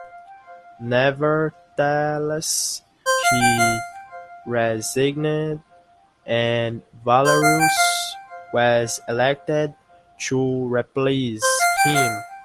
Nevertheless, he resigned, and Valerius was elected to replace him.